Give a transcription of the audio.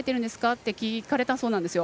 って聞いたそうなんです。